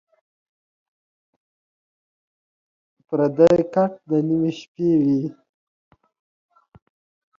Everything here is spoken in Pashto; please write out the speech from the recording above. پردی کټ دَ نیمې شپې وي